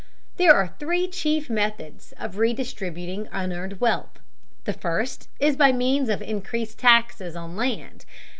There are three chief methods of redistributing unearned wealth. The first is by means of increased taxes on land.